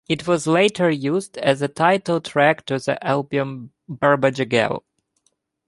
It was later used as title track to the album "Barabajagal".